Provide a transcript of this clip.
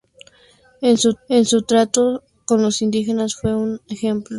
En su trato con los indígenas fue un ejemplo de buen encomendero.